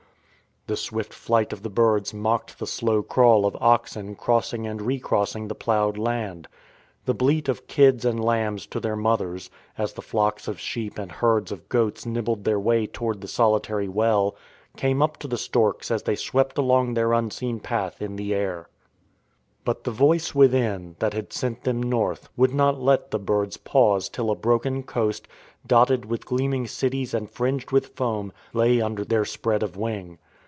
The swift flight of the birds mocked the slow crawl of oxen crossing and re crossing the ploughed land. The bleat of kids and lambs to their mothers, as the flocks of sheep and herds of goats nibbled their way toward the solitary well, came up to the storks as they swept along their unseen Path in the air. But the Voice within, that had sent them North, would not let the birds pause till a broken coast, dotted with gleaming cities and fringed with foam, lay under their spread of wing.